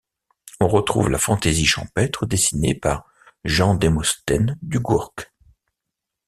On retrouve la fantaisie champêtre dessinée par Jean-Démosthène Dugourc.